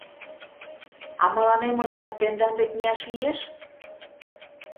— А мыланем ынде тендан дек мияш лиеш?